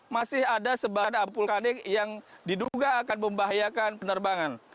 masih ada sebaran abu vulkanik yang diduga akan membahayakan penerbangan